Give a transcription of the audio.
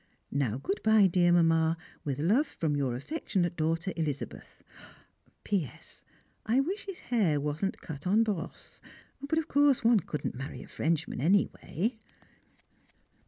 Now good bye, dear Mamma, with love from your affectionate daughter, Elizabeth. P.S. I wish his hair wasn't cut en brosse. But of course one couldn't marry a Frenchman anyway.